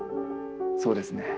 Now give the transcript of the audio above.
そうですね